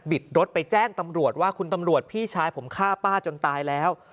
รถไปแจ้งตำรวจว่าคุณตำรวจพี่ชายผมฆ่าป้าจนตายแล้ว